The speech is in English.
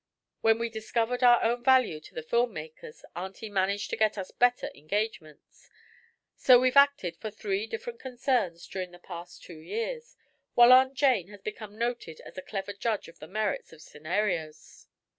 When we discovered our own value to the film makers Auntie managed to get us better engagements, so we've acted for three different concerns during the past two years, while Aunt Jane has become noted as a clever judge of the merits of scenarios."